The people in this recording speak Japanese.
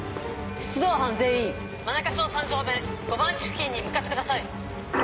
出動班全員真中町３丁目５番地付近に向かってください。